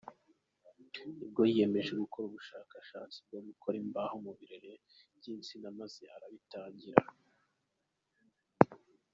Nibwo yiyemeje gukora ubushakashatsi bwo gukora imbaho mu birere by’insina maze arabitangira.